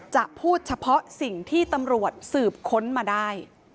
จะพูดเฉพาะสิ่งที่ตำรวจสืบค้นมาได้